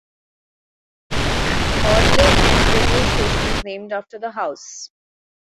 Audley End railway station is named after the house.